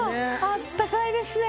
あったかいですね。